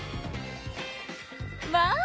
まあ！